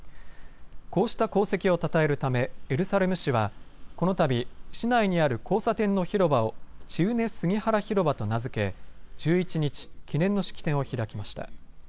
こうした功績をたたえるためエルサレム市はこのたび市内にある交差点の広場をチウネ・スギハラ広場と名付け１１日、記念の式典を開きました。